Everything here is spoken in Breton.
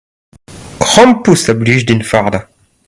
Krampouezh a blij din fardañ.